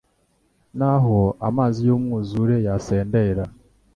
N’aho amazi y’umwuzure yasendera